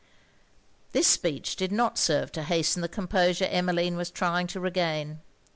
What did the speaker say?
This speech did not serve to hasten the composure Emmeline was trying to regain.